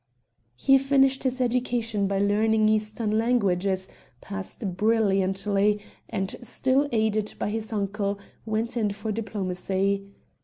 He finished his education by learning eastern languages, passed brilliantly, and, still aided by his uncle, went in for diplomacy.